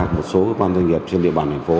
một số cơ quan doanh nghiệp trên địa bàn thành phố